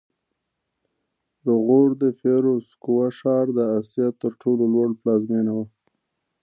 د غور د فیروزکوه ښار د اسیا تر ټولو لوړ پلازمېنه وه